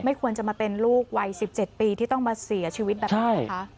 ควรจะมาเป็นลูกวัย๑๗ปีที่ต้องมาเสียชีวิตแบบนี้นะคะ